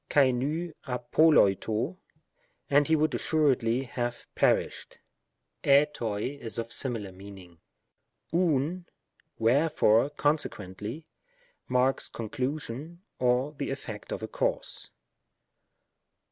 tainhf. Ex.^ xal vv dTtoXoiro, "and he would as suredly have perished." ijroi is of similar meaning. ovvy wherefore^ consequently^ marks conclusion, or the eflfect of a cause.